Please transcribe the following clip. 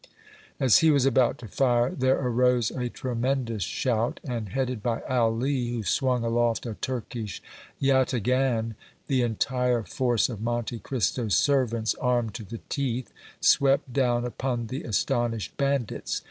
As he was about to fire, there arose a tremendous shout, and, headed by Ali, who swung aloft a Turkish yataghan, the entire force of Monte Cristo's servants, armed to the teeth, swept down upon the astonished bandits.